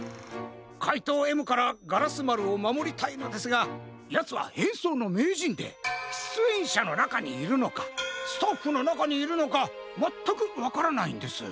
かいとうＭからガラスまるをまもりたいのですがやつはへんそうのめいじんでしゅつえんしゃのなかにいるのかスタッフのなかにいるのかまったくわからないんです。